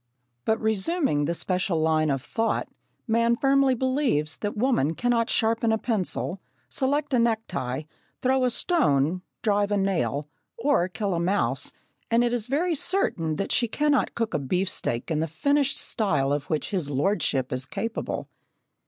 But, resuming the special line of thought, man firmly believes that woman cannot sharpen a pencil, select a necktie, throw a stone, drive a nail, or kill a mouse, and it is very certain that she cannot cook a beef steak in the finished style of which his lordship is capable.